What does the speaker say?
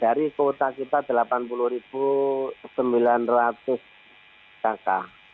dari kuota kita delapan puluh sembilan ratus kakak